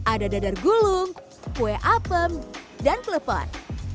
ada dadar gulung kue apem dan klepon